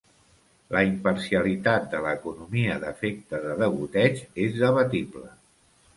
La imparcialitat de la economia d'efecte de degoteig és debatible.